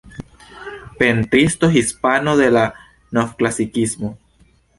Pentristo hispano de la Novklasikismo.